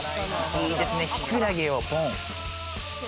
いいですね、キクラゲをポン。